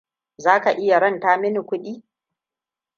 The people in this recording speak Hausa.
Zaka iya ranta mini kudi?